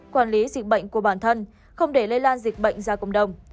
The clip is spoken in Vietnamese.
quản lý dịch bệnh của bản thân không để lây lan dịch bệnh ra cộng đồng